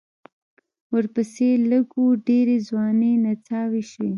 ورپسې لږ و ډېرې ځوانې نڅاوې شوې.